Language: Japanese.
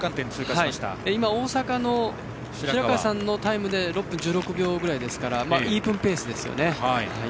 今、大阪の白川さんのタイムで６分１６秒ぐらいですからイーブンペースですよね。